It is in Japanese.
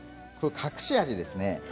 隠し味ですね。